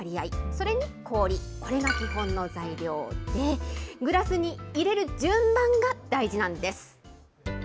それに氷、これが基本の材料で、グラスに入れる順番が大事なんです。